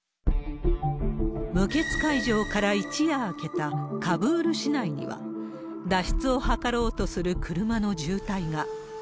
無血開城から一夜明けたカブール市内には、脱出を図ろうとする車の渋滞が。